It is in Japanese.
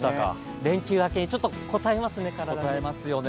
連休明け、ちょっと体にこたえますね。